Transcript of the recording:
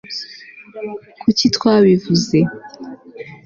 kuki twabivuze